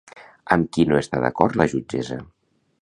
Amb qui no està d'acord la jutgessa?